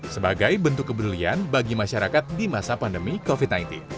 sebagai bentuk keberlian bagi masyarakat di masa pandemi covid sembilan belas